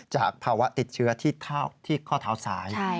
จากภาวะติดเชื้อที่ข้อเท้าซ้าย